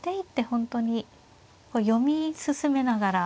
本当に読み進めながら。